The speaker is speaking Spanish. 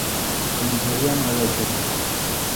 Comisaria Nueva Esperanza.